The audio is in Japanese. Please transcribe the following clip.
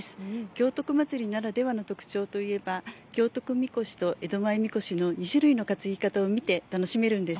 行徳まつりならではの特徴といえば行徳神輿と江戸前神輿の２種類の担ぎ方を見て楽しめるんです。